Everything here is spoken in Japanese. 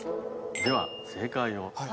では正解を。